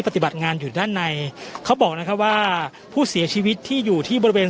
ปฏิบัติงานอยู่ด้านในเขาบอกนะครับว่าผู้เสียชีวิตที่อยู่ที่บริเวณ